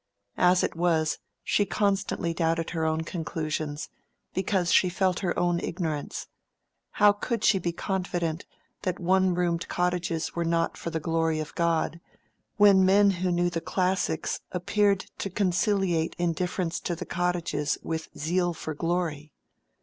As it was, she constantly doubted her own conclusions, because she felt her own ignorance: how could she be confident that one roomed cottages were not for the glory of God, when men who knew the classics appeared to conciliate indifference to the cottages with zeal for the glory?